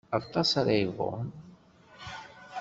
Aṭas ara yebɣun.